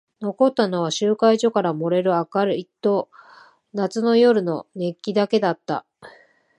残ったのは集会所から漏れる明かりと夏の夜の熱気だけだった。